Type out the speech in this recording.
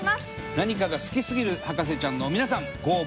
何かが好きすぎる博士ちゃんの皆さんご応募